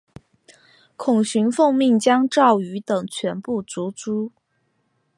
孔循奉命将赵虔等全部族诛。